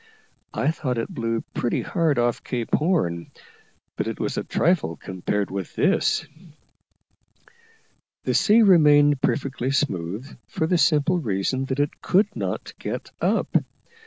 I thought it blew pretty hard off Cape Horn, but it was a trifle compared with this. The sea remained perfectly smooth, for the simple reason that it could not get up.